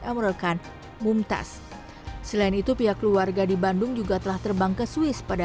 emeril khan mumtaz selain itu pihak keluarga di bandung juga telah terbang ke swiss pada